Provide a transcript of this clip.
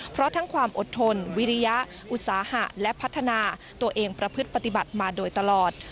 เพราะทั้งความอดทนวิริยะอุตสาหะและพัฒนาตัวเองประพฤติปฏิบัติมาโดยตลอด